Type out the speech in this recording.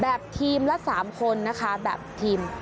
ทีมละ๓คนนะคะแบบทีม